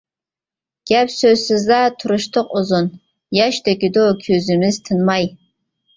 گەپ-سۆزسىزلا تۇرۇشتۇق ئۇزۇن، ياش تۆكىدۇ كۆزىمىز تىنماي.